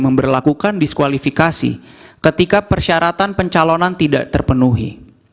memperlakukan diskualifikasi ketika persyaratan pencalonan tidak terpenuhi